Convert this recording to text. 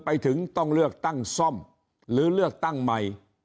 ไปถึงต้องเลือกตั้งซ่อมหรือเลือกตั้งใหม่